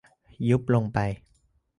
ยุบลงไป